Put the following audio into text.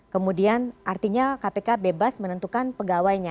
kemudian artinya kpk bebas menentukan pegawainya